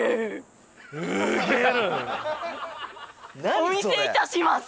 お見せ致します。